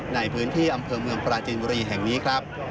ในพื้นที่อำเภอเมืองปราจินบุรีแห่งนี้ครับ